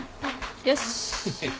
よし。